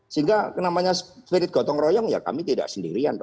sehingga namanya spirit gotong royong ya kami tidak sendirian